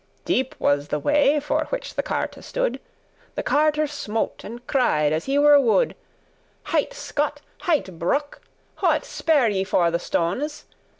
Deep was the way, for which the carte stood: The carter smote, and cried as he were wood,* *mad "Heit Scot! heit Brok! what, spare ye for the stones?